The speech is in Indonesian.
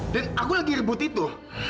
dan aku lagi rebut itu